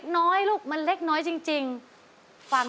กลับมาฟังเพลง